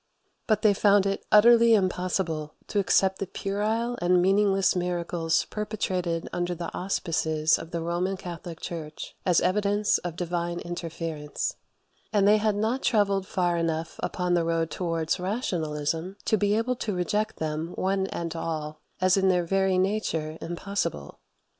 But they found it utterly impossible to accept the puerile and meaningless miracles perpetrated under the auspices of the Roman Catholic Church as evidence of divine interference; and they had not travelled far enough upon the road towards rationalism to be able to reject them, one and all, as in their very nature impossible.